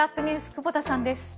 久保田さんです。